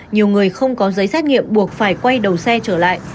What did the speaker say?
nhiều người không có giấy xét nghiệm buộc phải quay đầu xe trở lại